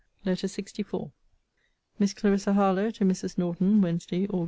LETTER LXIV MISS CLARISSA HARLOWE, TO MRS. NORTON WEDNESDAY, AUG.